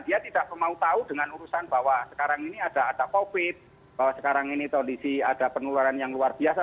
dia tidak mau tahu dengan urusan bahwa sekarang ini ada covid bahwa sekarang ini kondisi ada penularan yang luar biasa